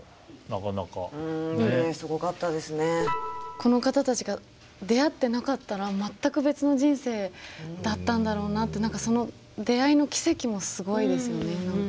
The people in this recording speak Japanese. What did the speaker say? この方たちが出会ってなかったら全く別の人生だったんだろうなって何かその出会いの奇跡もすごいですよね。